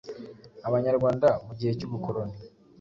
Abanyarwanda mu gihe cy’ubukoroni .